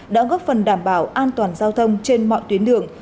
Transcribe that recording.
đã góp phần đảm bảo an toàn giao thông trên mọi tuyến đường